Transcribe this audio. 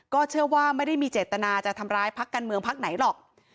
เชื่อว่าไม่ได้มีเจตนาจะทำร้ายพักการเมืองพักไหนหรอก